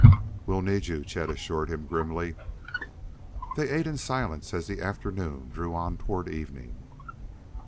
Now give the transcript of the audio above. "We'll need you," Chet assured him grimly. They ate in silence as the afternoon drew on toward evening.